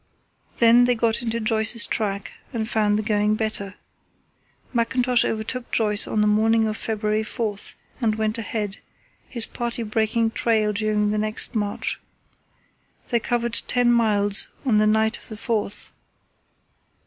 Then they got into Joyce's track and found the going better. Mackintosh overtook Joyce on the morning of February 4 and went ahead, his party breaking trail during the next march. They covered ten miles on the night of the 4th.